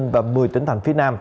và một mươi tỉnh